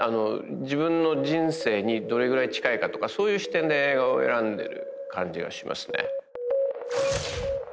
自分の人生にどれぐらい近いかとかそういう視点で映画を選んでる感じがしますね